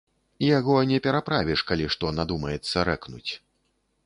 Яго не пераправіш, калі што надумаецца рэкнуць.